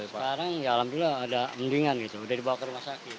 sekarang ya alhamdulillah ada mendingan gitu udah dibawa ke rumah sakit